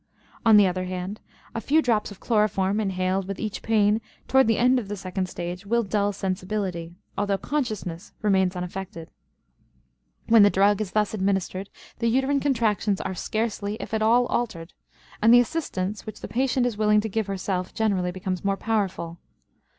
On the other hand, a few drops of chloroform inhaled with each pain toward the end of the second stage will dull sensibility, although consciousness remains unaffected. When the drug is thus administered, the uterine contractions are scarcely, if at all, altered, and the assistance which the patient is willing to give herself generally becomes more powerful.